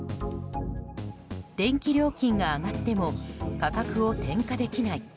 電気料金が上がっても価格を転嫁できない。